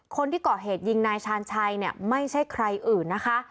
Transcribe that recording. คนที่ก่อเหตุยิงนายชาญชัยเนี่ยไม่ใช่ใครอื่นนะคะ